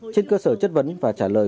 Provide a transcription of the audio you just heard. trên cơ sở chất vấn và trả lời